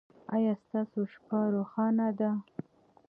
ایا ستاسو شپه روښانه ده؟